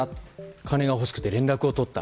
金が欲しくて連絡を取った。